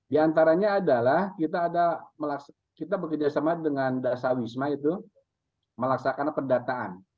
di antaranya adalah kita bekerjasama dengan dasar wisma itu melaksakan pendataan